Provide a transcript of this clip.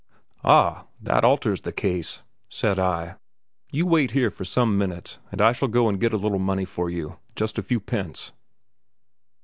"Ah, that alters the case," said I, "you wait here for some minutes and I shall go and get a little money for you; just a few pence."